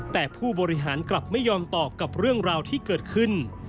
แต่ผู้บริหารกลับไม่ยอมตอบกับเรื่องราวที่เกิดขึ้น